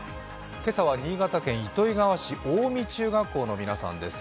今朝は新潟県糸魚川市青海中学校の皆さんです。